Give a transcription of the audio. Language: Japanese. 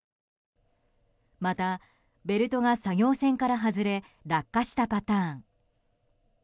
またベルトが作業船から外れ落下したパターン。